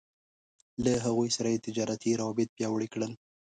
له هغوی سره يې تجارتي روابط پياوړي کړل.